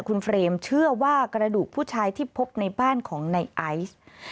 คุณเฟรมเชื่อว่ากระดูกผู้ชายที่พบในบ้านของในไอซ์